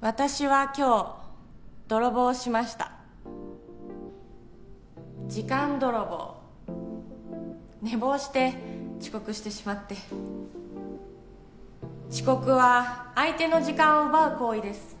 私は今日泥棒をしました時間泥棒寝坊して遅刻してしまって遅刻は相手の時間を奪う行為です